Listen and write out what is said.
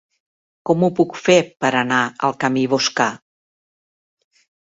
Com ho puc fer per anar al camí Boscà?